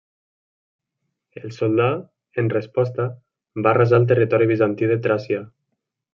El soldà, en resposta, va arrasar el territori bizantí de Tràcia.